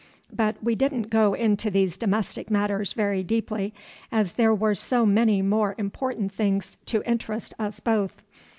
But we didn't go into these domestic matters very deeply as there were so many more important things to interest us both.